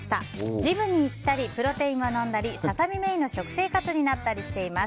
ジムに行ったりプロテインを飲んだりささ身メインの食生活になったりしています。